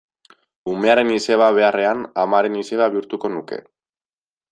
Umearen izeba beharrean, amaren izeba bihurtuko nuke.